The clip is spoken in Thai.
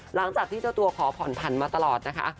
หลังจากที่เจ้าตัวขอผ่อนผันมาตลอดนะคะ